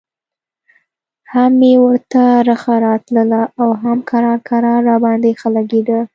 هم مې ورته رخه راتله او هم کرار کرار راباندې ښه لګېده.